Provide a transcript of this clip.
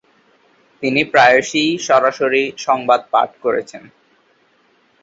তিনি প্রায়শই সরাসরি সংবাদ পাঠ করেছেন।